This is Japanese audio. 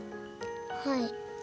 はい。